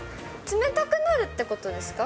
冷たくなるってことですか？